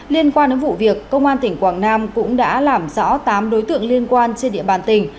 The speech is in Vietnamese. liên quan đến vụ việc công an tỉnh quảng nam cũng đã làm rõ tám đối tượng liên quan trên địa bàn tỉnh